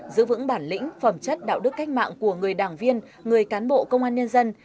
giữ vững bản lĩnh phẩm chất đạo đức cách mạng của người đảng viên người cán bộ công an nhân dân